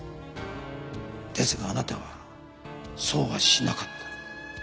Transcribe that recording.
ですがあなたはそうはしなかった。